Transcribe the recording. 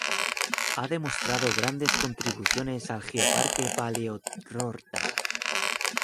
Ha demostrado grandes contribuciones al geoparque Paleorrota.